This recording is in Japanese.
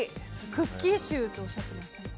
クッキーシューとおっしゃってましたね。